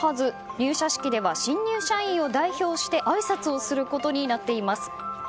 入社式では新入社員を代表してあいさつをすることになっています。